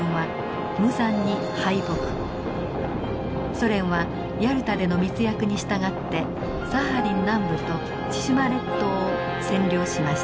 ソ連はヤルタでの密約に従ってサハリン南部と千島列島を占領しました。